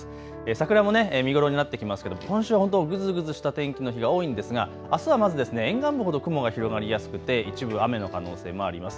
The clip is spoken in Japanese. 桜も見頃になってきますけども今週は本当ぐずぐずした天気の日が多いんですがあすはまず沿岸部ほど雲が広がりやすくて一部雨の可能性もあります。